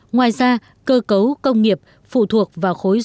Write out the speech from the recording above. ngoài ra cơ cấu công nghiệp phụ thuộc vào khối doanh nghiệp